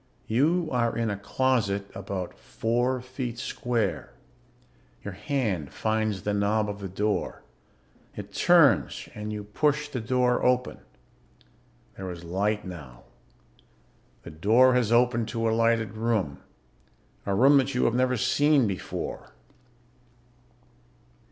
You are in a closet about four feet square. Your hand finds the knob of the door. It turns and you push the door open. There is light now. The door has opened to a lighted room ... a room that you have never seen before.